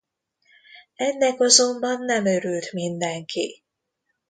Ennek azonban nem örült mindenki.